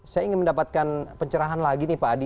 saya ingin mendapatkan pencerahan lagi nih pak adi